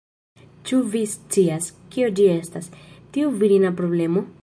Ĉu vi scias, kio ĝi estas, tiu virina problemo?